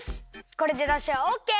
これでだしはオッケー！